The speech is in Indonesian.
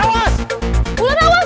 bu lan awas